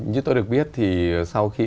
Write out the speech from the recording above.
như tôi được biết thì sau khi